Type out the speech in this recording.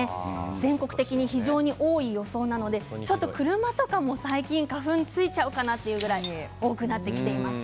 全国的に非常に多い予想なので車とかにも最近花粉ついちゃうかなというぐらい多くなってきています。